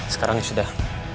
sekarang ya sudah